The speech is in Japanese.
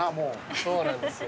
そうなんですよ。